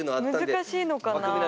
難しいのかな。